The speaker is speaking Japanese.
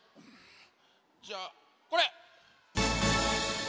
じゃあこれ！